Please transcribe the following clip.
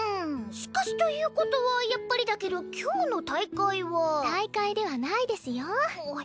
しかしということはやっぱりだけど今日の大会は大会ではないですよ（球子